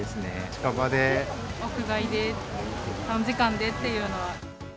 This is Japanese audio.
屋外で短時間でっていうのは。